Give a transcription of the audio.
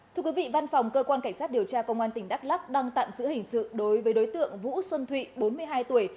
thưa quý vị văn phòng cơ quan cảnh sát điều tra công an tỉnh đắk lắc đang tạm giữ hình sự đối với đối tượng vũ xuân thụy bốn mươi hai tuổi